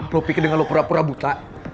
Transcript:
lo pikir dengan lo pura pura buta